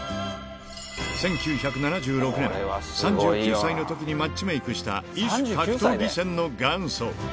１９７６年、３９歳のときにマッチメイクした異種格闘技戦の元祖。